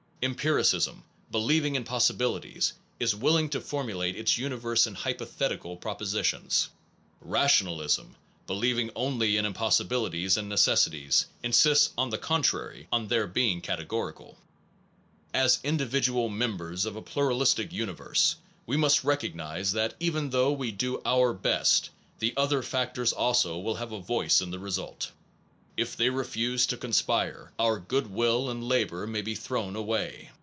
(Empiricism, believing in possibilities, is willing to formulate its universe in hypothetical proposi tions . Rationalism, believing only in impossibili ties and necessities, insists on the contrary on their being categorical.) As individual members of a pluralistic universe, we must recognize that, even though we do our best, the other factors also will have a voice in the result. If they refuse to conspire, our good will and labor may be thrown away.